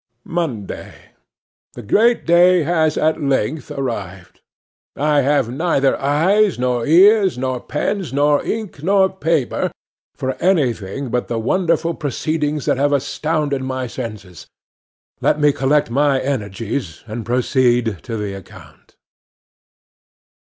'Monday. 'THE great day has at length arrived. I have neither eyes, nor ears, nor pens, nor ink, nor paper, for anything but the wonderful proceedings that have astounded my senses. Let me collect my energies and proceed to the account.